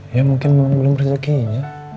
ya mungkin memang belum rezekinya